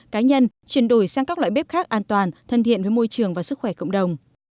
cá nhân chuyển đổi sang các loại bếp khác an toàn thân thiện với môi trường và sức khỏe cộng đồng